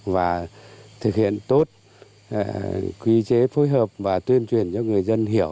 và thực hiện tốt quy chế phối hợp và tuyên truyền cho người dân hiểu